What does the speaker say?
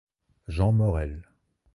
Jean Morel.